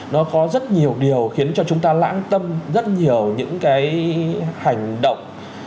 nó có rất nhiều điều khiến cho chúng ta lãng tâm rất nhiều những cái hành động